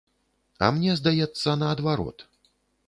А мне здаецца, наадварот.